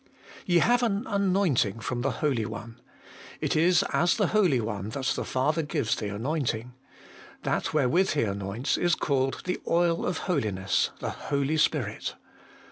1. Ye have an anointing from the Holy One. It 264 HOLY IN CHRIST. is as the Holy One that the Father gives the anointing : that wherewith He anoints is called the oil of holiness, the Holy Spirit.